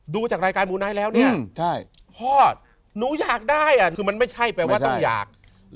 ดูจากรายการมูไนท์แล้วเนี่ยพ่อหนูอยากได้คือมันไม่ใช่แปลว่าต้องอยาก